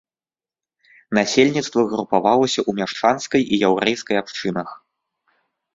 Насельніцтва групавалася ў мяшчанскай і яўрэйскай абшчынах.